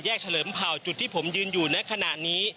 เฉลิมเผ่าจุดที่ผมยืนอยู่ในขณะนี้